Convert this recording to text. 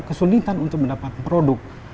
kesulitan untuk mendapat produk